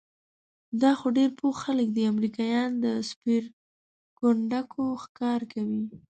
دا خو ډېر پوه خلک دي، امریکایان د سپېرکونډکو ښکار کوي؟